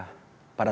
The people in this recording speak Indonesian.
pada saat ini